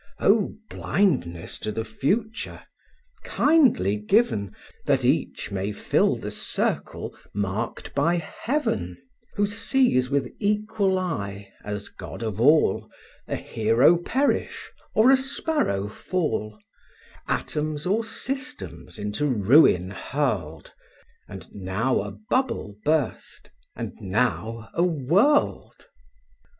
Oh, blindness to the future! kindly given, That each may fill the circle, marked by Heaven: Who sees with equal eye, as God of all, A hero perish, or a sparrow fall, Atoms or systems into ruin hurled, And now a bubble burst, and now a world.